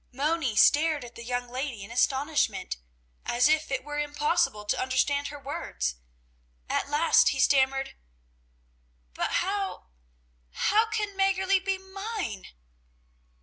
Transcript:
Moni stared at the young lady in astonishment, as if it were impossible to understand her words. At last he stammered: "But how how can Mäggerli be mine?"